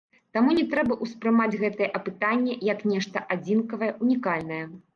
Таму не трэба ўспрымаць гэтае апытанне, як нешта адзінкавае, унікальнае.